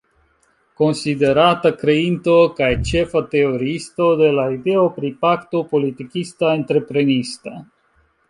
Konsiderata kreinto kaj ĉefa teoriisto de la ideo pri pakto politikista-entreprenista.